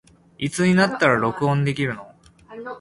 いつになったら録音できるの